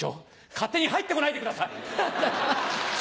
勝手に入ってこないでください！